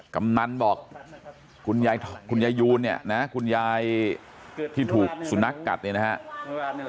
กำนันบอกคุณยายคุณยายยูนเนี่ยนะคุณยายที่ถูกสุนัขกัดเนี่ยนะครับ